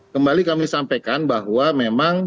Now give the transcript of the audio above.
kembali kami sampaikan bahwa memang